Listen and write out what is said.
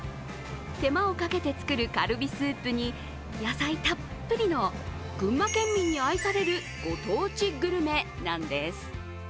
手間をかけて作るカルビスープに野菜たっぷりの群馬県民に愛されるご当地グルメなんです。